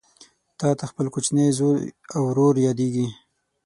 تاته خپل کوچنی زوی او ورور یادیږي